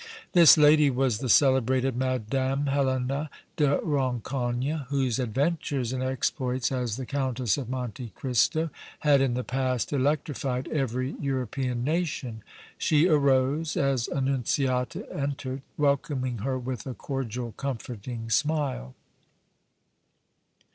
This lady was the celebrated Madame Helena de Rancogne, whose adventures and exploits as the Countess of Monte Cristo had in the past electrified every European nation. She arose as Annunziata entered, welcoming her with a cordial, comforting smile.